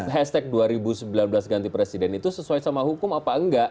hashtag dua ribu sembilan belas ganti presiden itu sesuai sama hukum apa enggak